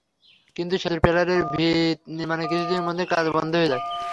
কিন্তু সেতুর পিলারের ভিত নির্মাণের কিছুদিনের মধ্যেই কাজ বন্ধ হয়ে যায়।